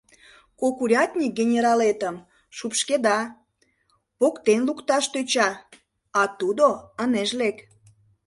Кок урядник «генералетым» шупшкеда, поктен лукташ тӧча, а тудо ынеж лек.